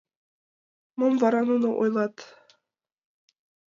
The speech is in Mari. Мом вара нуно ойлат?